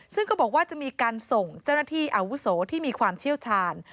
ซึ่งก็บอกว่าจะมีการส่งเจ้าหน้าที่อาวุโสที่มีความเชี่ยวชาญ